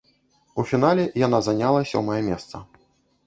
У фінале яна заняла сёмае месца.